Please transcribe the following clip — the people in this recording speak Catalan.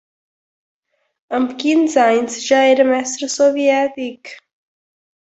A quinze anys, ja era Mestre soviètic.